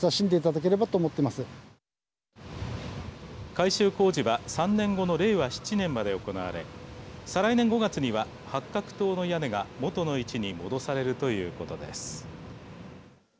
改修工事は３年後の令和７年まで行われ再来年５月には八角塔の屋根が元の位置に戻されるということです。